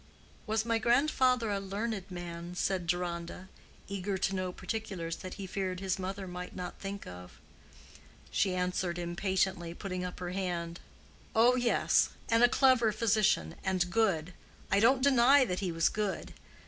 "Was my grandfather a learned man?" said Deronda, eager to know particulars that he feared his mother might not think of. She answered impatiently, putting up her hand, "Oh, yes,—and a clever physician—and good: I don't deny that he was good.